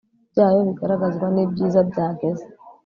byayo bigaragazwa n'ibyiza byageze